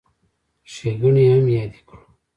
ښېګڼې یې هم یادې کړو.